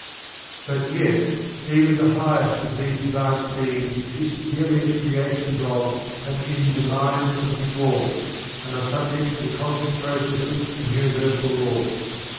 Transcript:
But, yet, even the highest of these advanced Beings exist merely as creations of, and in, the Mind of THE ALL, and are subject to the Cosmic Processes and Universal Laws.